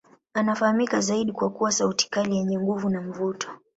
Anafahamika zaidi kwa kuwa sauti kali yenye nguvu na mvuto.